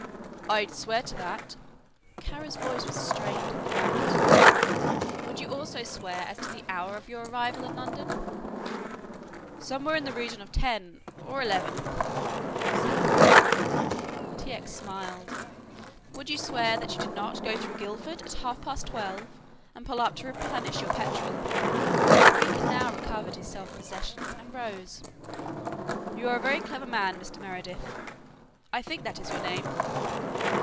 "I'd swear to that," Kara's voice was strained and cracked. "Would you also swear as to the hour of your arrival in London?" "Somewhere in the region of ten or eleven," said the Greek. T. X. smiled. "Would you swear that you did not go through Guilford at half past twelve and pull up to replenish your petrol?" The Greek had now recovered his self possession and rose. "You are a very clever man, Mr. Meredith I think that is your name?"